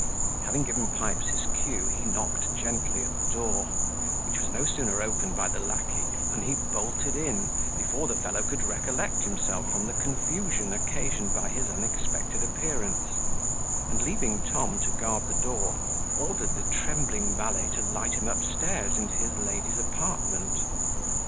Having given Pipes his cue, he knocked gently at the door, which was no sooner opened by the lacquey, than he bolted in, before the fellow could recollect himself from the confusion occasioned by his unexpected appearance; and, leaving Tom to guard the door, ordered the trembling valet to light him upstairs into his lady's apartment.